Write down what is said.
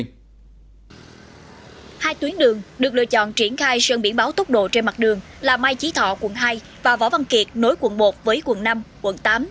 hai tuyến đường được lựa chọn triển khai sơn biển báo tốc độ trên mặt đường là mai chí thọ quận hai và võ văn kiệt nối quận một với quận năm quận tám